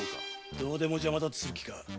どうでも邪魔立てする気か。